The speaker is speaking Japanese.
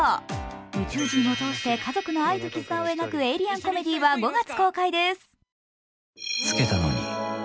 宇宙人を通して家族の愛と絆を描くエイリアンコメディーは５月公開です。